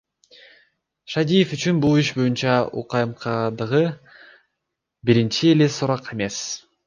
Шадиев үчүн бул иш боюнча УКМКдагы биринчи эле сурак эмес.